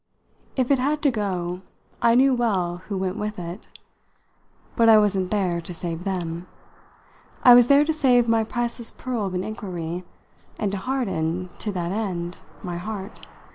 If it had to go I knew well who went with it, but I wasn't there to save them. I was there to save my priceless pearl of an inquiry and to harden, to that end, my heart.